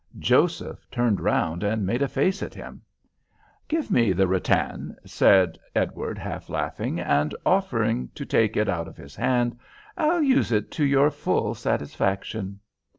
Joseph turned round and made a face at him. "Give me the rattan," said Edward, half laughing, and offering to take it out of his hand. "I'll use it to your full satisfaction."